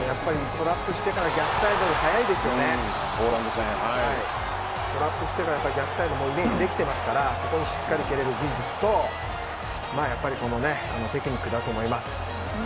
トラップしてから逆サイドイメージできていますからそこをしっかり蹴れる技術とテクニックだと思います。